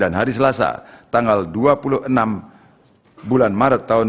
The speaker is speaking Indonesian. dan hari selasa tanggal sembilan belas bulan maret tahun dua ribu dua puluh empat